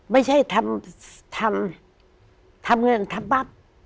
ไม่ใช่ทำเงินทำบับ